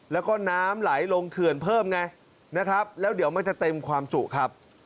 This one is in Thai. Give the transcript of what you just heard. แล้วก็น้ำไหลลงเขื่อนเพิ่มไงนะครับแล้วเดี๋ยวมันจะเต็มความจุครับ